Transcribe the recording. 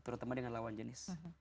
terutama dengan lawan jenis